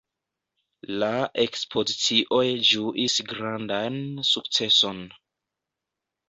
La ekspozicioj ĝuis grandan sukceson.